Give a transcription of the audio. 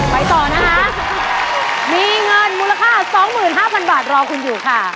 มีเงินมูลค่า๒๕๐๐๐บาทรอคุณอยู่ค่ะ